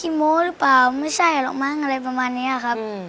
โม้หรือเปล่าไม่ใช่หรอกมั้งอะไรประมาณนี้ครับ